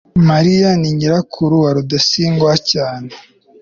mariya ni nyirakuru wa rudasingwa cyane